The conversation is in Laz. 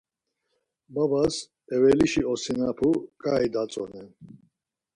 Babas evelişi osinapu ǩai datzonen.